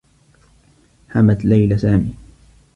حمت ليلى سامي.